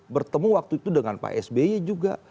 bertemu waktu itu dengan pak sby juga